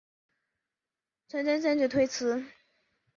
陈顼坚决推辞。